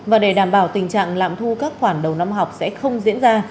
và để đảm bảo tình trạng lạm thu các khoản đầu năm học sẽ không diễn ra